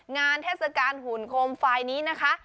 เทศกาลหุ่นโคมไฟล์นี้นะคะ